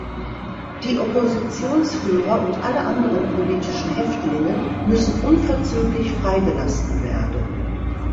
Die Oppositionsführer und alle anderen politischen Häftlinge müssen unverzüglich freigelassen werden.